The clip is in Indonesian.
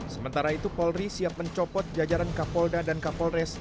sementara itu polri siap mencopot jajaran kapolda dan kapolres